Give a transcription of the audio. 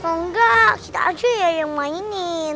kalau enggak kita aja ya yang mainin